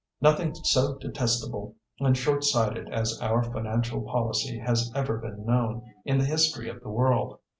Nothing so detestable and short sighted as our financial policy has ever been known in the history of the world.